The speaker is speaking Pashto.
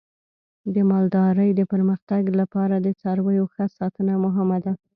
د مالدارۍ د پرمختګ لپاره د څارویو ښه ساتنه مهمه ده.